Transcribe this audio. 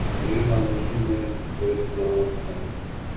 میری خاموشیوں میں لرزاں ہے